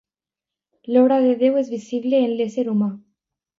L'obra de Déu és visible en l'ésser humà.